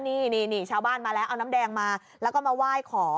นี่ชาวบ้านมาแล้วเอาน้ำแดงมาแล้วก็มาไหว้ขอ